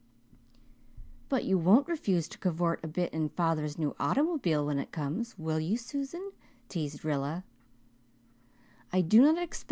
"But you won't refuse to cavort a bit in father's new automobile when it comes, will you, Susan?" teased Rilla.